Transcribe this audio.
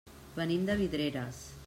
Venim de Vidreres.